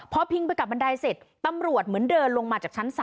พอพิงไปกับบันไดเสร็จตำรวจเหมือนเดินลงมาจากชั้น๓